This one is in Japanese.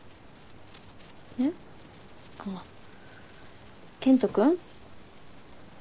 えっ？あっ健人君？